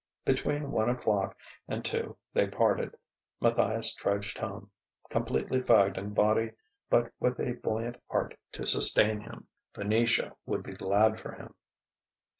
Between one o'clock and two they parted. Matthias trudged home, completely fagged in body, but with a buoyant heart to sustain him. Venetia would be glad for him....